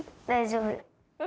大丈夫。